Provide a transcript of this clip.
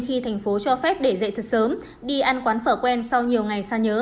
khi thành phố cho phép để dạy thật sớm đi ăn quán phở quen sau nhiều ngày xa nhớ